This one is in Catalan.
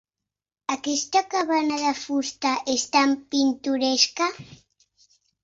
Aquesta cabana de fusta és tan pintoresca.